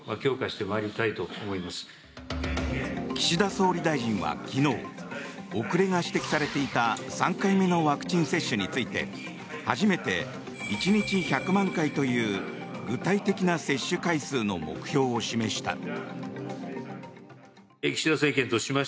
岸田総理大臣は昨日遅れが指摘されていた３回目のワクチン接種について初めて１日１００万回という具体的な接種回数の目標を示した。